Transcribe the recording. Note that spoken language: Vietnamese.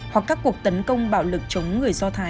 hoặc các cuộc tấn công bạo lực chống người do thái